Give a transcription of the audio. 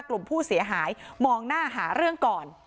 กลุ่มผู้เสียหายมองหน้าหาเรื่องก่อน